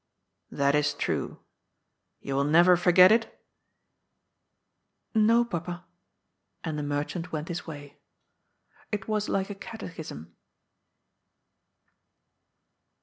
" That is true. You will never forget it ?"" No, Papa." And the merchant went his way. It was like a catechism.